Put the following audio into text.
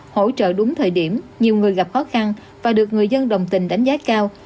hỗ trợ đúng thời điểm nhiều người gặp khó khăn và được người dân đồng tình đánh giá cao